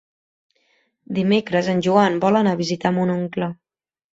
Dimecres en Joan vol anar a visitar mon oncle.